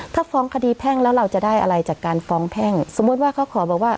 ถ้าฟ้องคดีแพ่งแล้วเราจะได้อะไรจากการฟ้องแพ่งสมมุติว่าเขาขอบอกว่า